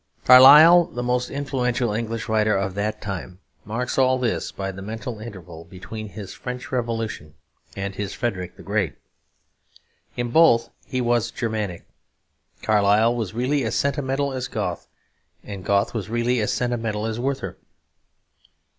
Carlyle, the most influential English writer of that time, marks all this by the mental interval between his "French Revolution" and his "Frederick the Great." In both he was Germanic. Carlyle was really as sentimental as Goethe; and Goethe was really as sentimental as Werther.